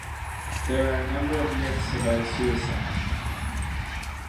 There are a number of myths about suicide.